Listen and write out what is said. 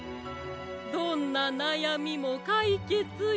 どんななやみもかいけつよ。